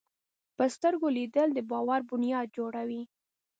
په سترګو لیدل د باور بنیاد جوړوي